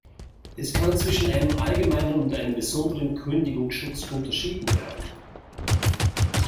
Es kann zwischen einem allgemeinen und einem besonderen Kündigungsschutz unterschieden werden.